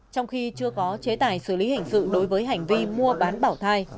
trong khi chưa có chế tài xử lý hình sự đối với hành vi mua bán bảo thai